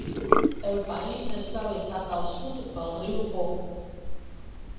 El país és travessat al sud pel riu Po.